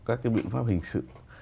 các cái biện pháp hình sự